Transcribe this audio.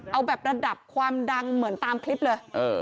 เอาแบบระดับความดังเหมือนตามคลิปเลย